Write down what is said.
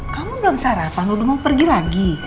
kamu belum sarapan lu udah mau pergi lagi